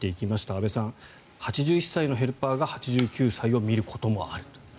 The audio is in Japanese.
安部さん、８１歳のヘルパーが８９歳を見ることもあると。